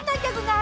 あ！